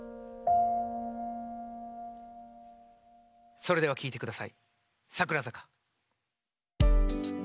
それでは聴いてください「桜坂」。